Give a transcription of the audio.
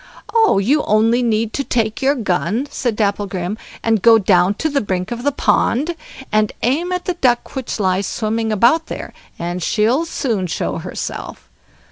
"Oh, you only need to take your gun", said Dapplegrim, "and go down to the brink of the pond, and aim at the duck which lies swimming about there, and she'll soon show herself."